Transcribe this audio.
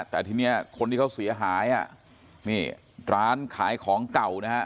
แต่ทีนี้คนที่เขาเสียหายอ่ะนี่ร้านขายของเก่านะฮะ